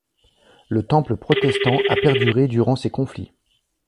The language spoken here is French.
Le temple protestant a perduré durant ces conflits.